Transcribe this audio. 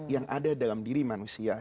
yang ada dalam diri manusia